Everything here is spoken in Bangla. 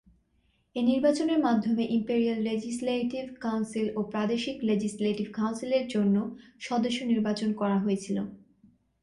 এ নির্বাচনের মাধ্যমে "ইম্পেরিয়াল লেজিসলেটিভ কাউন্সিল" ও "প্রাদেশিক লেজিসলেটিভ কাউন্সিলের" জন্য সদস্য নির্বাচন করা হয়েছিল।